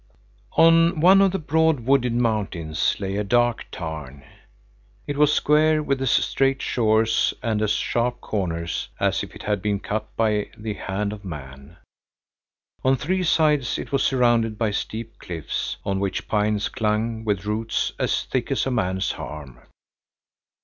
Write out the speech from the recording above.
On one of the broad, wooded mountains lay a dark tarn. It was square, with as straight shores and as sharp corners as if it had been cut by the hand of man. On three sides it was surrounded by steep cliffs, on which pines clung with roots as thick as a man's arm.